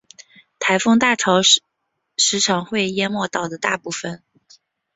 台风大潮时常会淹没岛的大部分。